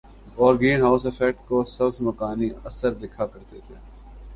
اور greenhouse effect کو سبز مکانی اثر لکھا کرتے تھے